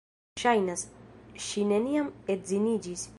Ŝajnas, ŝi neniam edziniĝis.